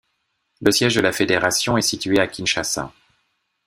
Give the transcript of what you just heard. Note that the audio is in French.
Le siège de la fédération est situé à Kinshasa.